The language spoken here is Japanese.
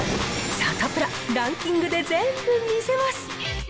サタプラ、ランキングで全部見せます。